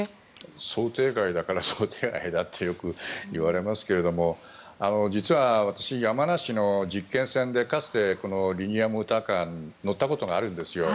想定外だから想定外だってよく言われますけども実は私、山梨の実験でかつてリニアモーターカーに乗ったことがあるんですよ。